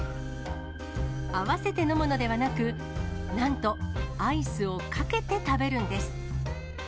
合わせて飲むのではなく、なんと、アイスをかけて食べるんです。